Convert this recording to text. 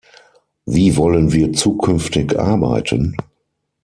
Wie wollen wir zukünftig arbeiten?